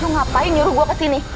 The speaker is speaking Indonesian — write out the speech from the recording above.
aku ngapain nyuruh gue kesini